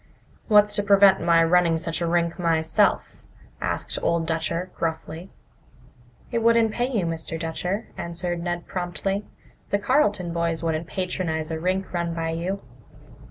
"What's to prevent my running such a rink myself?" asked Old Dutcher gruffly. "It wouldn't pay you, Mr. Dutcher," answered Ned promptly. "The Carleton boys wouldn't patronize a rink run by you."